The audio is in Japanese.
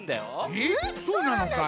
えっそうなのかい？